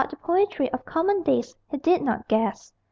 The poetry of common days He did not guess.